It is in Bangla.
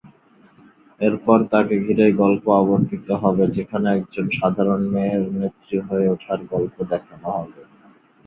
এরপর তাকে ঘিরেই গল্প আবর্তিত হবে যেখানে একজন সাধারণ মেয়ের নেত্রী হয়ে উঠার গল্প দেখানো হবে।